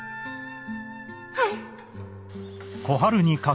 はい。